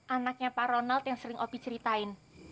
anaknya pak ronald yang sering opi ceritain